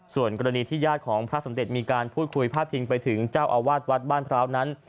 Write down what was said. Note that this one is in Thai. ส่วนกรณีที่ญาติของพระสมเด็จมีการพูดคุยพาดพิงไปถึงเจ้าอาวาสวัดบ้านพร้าวนั้น